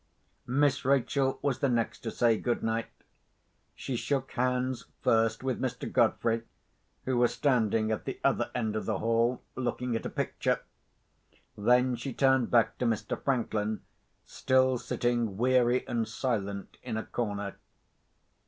Miss Rachel was the next to say good night. She shook hands first with Mr. Godfrey, who was standing at the other end of the hall, looking at a picture. Then she turned back to Mr. Franklin, still sitting weary and silent in a corner.